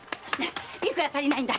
いくら足りないんだい？